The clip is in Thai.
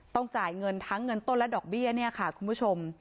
จ่ายเงินทั้งเงินต้นและดอกเบี้ยเนี่ยค่ะคุณผู้ชม